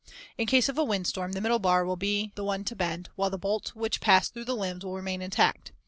In case of a windstorm, the middle bar will be the one to bend, while the bolts which pass through the limbs will remain intact.